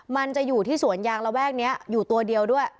มันจะอยู่ที่สวนยางระแวกนี้อยู่ตัวเดียวด้วย